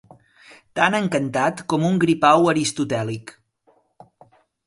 Tan encantat com un gripau aristotèlic.